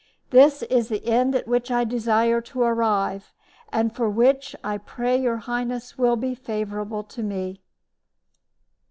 This is the end at which I desire to arrive, and for which I pray your highness to be favorable to me.